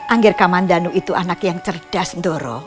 anggir kamandanu itu anak yang cerdas doro